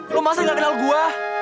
lo maksudnya gak kenal gue